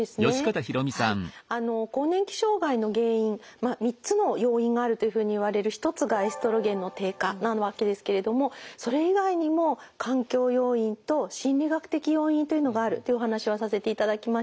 はい更年期障害の原因３つの要因があるというふうにいわれる一つがエストロゲンの低下なわけですけれどもそれ以外にも環境要因と心理学的要因というのがあるというお話はさせていただきました。